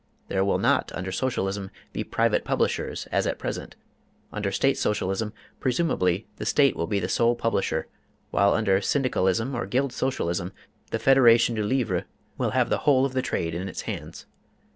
There will not, under Socialism, be private publishers as at present: under State Socialism, presumably the State will be the sole publisher, while under Syndicalism or Guild Socialism the Federation du Livre will have the whole of the trade in its hands.